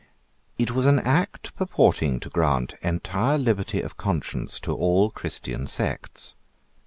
It was an Act purporting to grant entire liberty of conscience to all Christian sects.